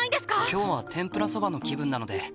今日は天ぷらそばの気分なので。